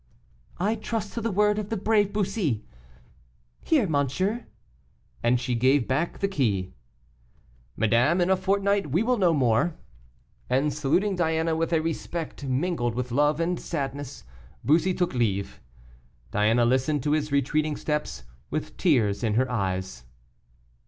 "I trust to the word of the brave Bussy. Here, monsieur," and she gave back the key. "Madame, in a fortnight we will know more;" and, saluting Diana with a respect mingled with love and sadness, Bussy took leave. Diana listened to his retreating steps with tears in her eyes.